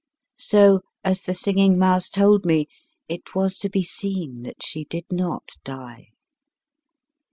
So as the Singing Mouse told me, it was to be seen that she did not die.